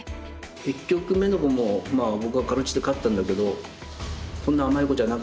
１局目の碁も僕が辛うじて勝ったんだけどそんな甘い碁じゃなかったし。